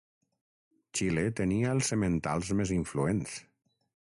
Xile tenia els sementals més influents.